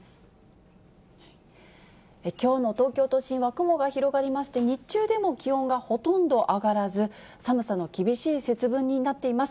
きょうの東京都心は雲が広がりまして、日中でも気温がほとんど上がらず、寒さの厳しい節分になっています。